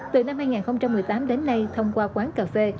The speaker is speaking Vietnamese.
từ năm hai nghìn một mươi tám đến nay thông qua quán cà phê